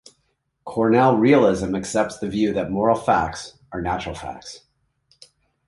Cornell realism accepts the view that moral facts are natural facts.